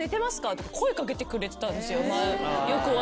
声掛けてくれてたんですよ。